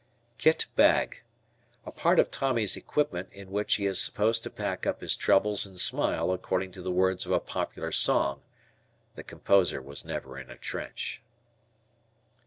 Kit Bag. A part of Tommy's equipment in which he is supposed to pack up his troubles and smile, according to the words of a popular song (the composer was never in a trench).